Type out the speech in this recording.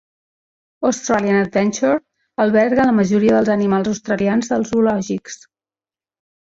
Australian Adventure alberga la majoria dels animals australians dels zoològics.